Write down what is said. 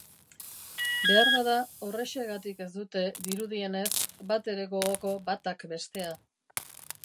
Beharbada, horrexegatik ez dute, dirudienez, batere gogoko batak bestea.